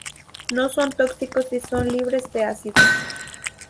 No son tóxicos y son libres de ácido.